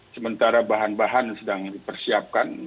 sementara bahan bahan sedang dipersiapkan